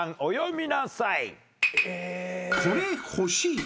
お詠みなさい。